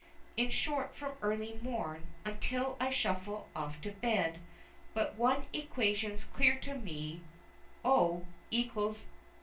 In short, from early morn until I shuffle off to bed, But one equation's clear to me, _o_=_ayz_.